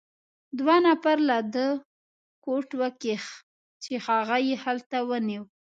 دوو نفر له ده کوټ وکیښ، چې هغه يې هلته ونیو.